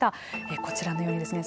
こちらのようにですね